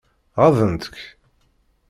Ɣaḍent-k?